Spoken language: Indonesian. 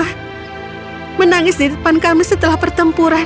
saya menangis di depan kami setelah pertempuran